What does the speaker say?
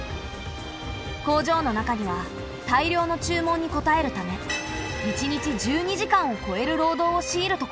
工場の中には大量の注文に応えるため１日１２時間を超える労働をしいるところもあった。